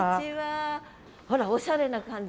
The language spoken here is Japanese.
あらおしゃれな感じ。